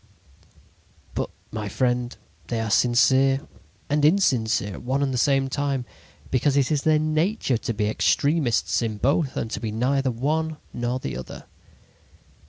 "But, my friend, they are sincere and insincere at one and the same time, because it is their nature to be extremists in both and to be neither one nor the other.